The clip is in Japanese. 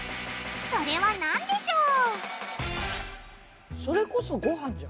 それはなんでしょう？